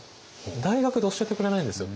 大学で教えてくれないんですよ。